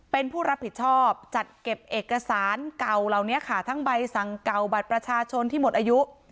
เป็นผู้รับผิดชอบจัดเก็บเอกสารเก่าเหล่านี้ค่ะทั้งใบสั่งเก่าบัตรประชาชนที่หมดอายุ